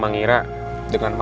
ma tak berani bahas mama